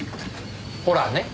ほらね。